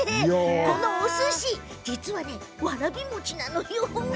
このおすしわらび餅なのよ。